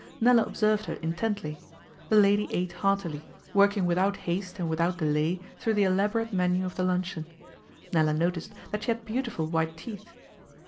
Nella observed her intently. The lady ate heartily, working without haste and without delay through the elaborate menu of the luncheon. Nella noticed that she had beautiful white teeth.